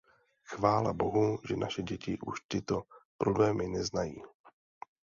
Chválabohu, že naše děti už tyto problémy neznají.